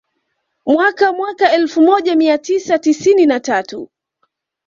Mwaka mwaka elfu moja mia tisa tisini na tatu